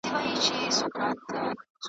او یوازي په دې لوی کور کي تنهاده .